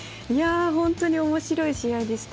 本当におもしろい試合でした。